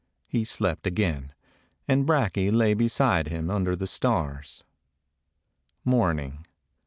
He slept again, and Brakje lay beside him under the stars. Morning.